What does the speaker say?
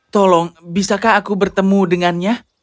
tolong bisakah aku bertemu dengannya